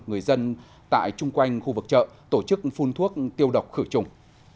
người dân tại chung quanh khu vực chợ tổ chức phun thuốc tiêu độc khử trùng